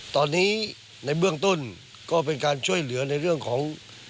ตอนนี้ในเบื้องต้นก็เป็นการช่วยเหลือในเรื่องของ